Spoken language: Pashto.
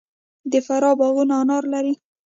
د فراه باغونه انار لري.